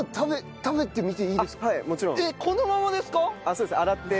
そうです洗って。